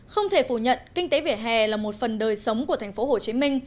không thể phủ nhận kinh tế vỉa hè là một phần đời sống của tp hcm